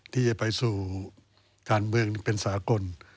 ที่จะไปสู่การเมืองเป็นสากล